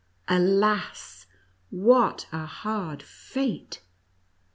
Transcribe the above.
Alas ! what a hard fate!